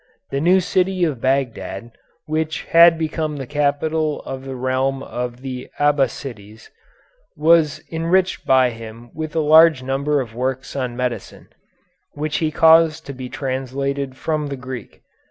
The new city of Bagdad, which had become the capital of the realm of the Abbassides, was enriched by him with a large number of works on medicine, which he caused to be translated from the Greek.